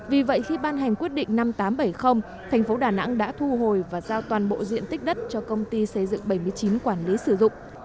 vì vậy khi ban hành quyết định năm nghìn tám trăm bảy mươi thành phố đà nẵng đã thu hồi và giao toàn bộ diện tích đất cho công ty xây dựng bảy mươi chín quản lý sử dụng